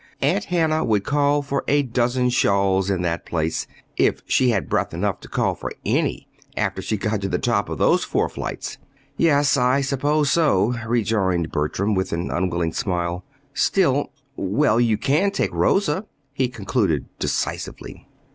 Aunt Hannah would call for a dozen shawls in that place if she had breath enough to call for any after she got to the top of those four flights!" "Yes, I suppose so," rejoined Bertram, with an unwilling smile. "Still well, you can take Rosa," he concluded decisively.